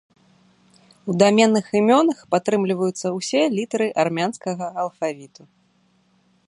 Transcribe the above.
У даменных імёнах падтрымліваюцца ўсе літары армянскага алфавіту.